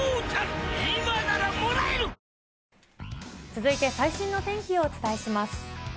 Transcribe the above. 続いて最新のお天気をお伝えします。